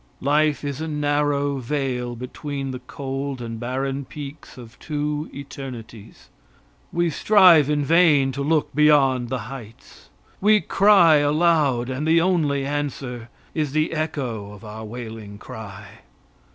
Life is a narrow vale between the cold and barren peaks of two eternities. We strive in vain to look beyond the heights. We cry aloud, and the only answer is the echo of our wailing cry.